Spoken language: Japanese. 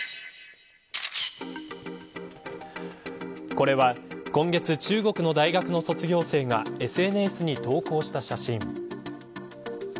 これは今月中国の大学の卒業生がＳＮＳに投稿した写真。